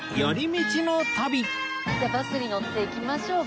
じゃあバスに乗って行きましょうか。